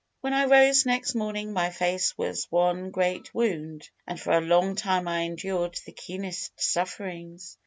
"When I rose next morning, my face was one great wound, and for a long time I endured the keenest sufferings.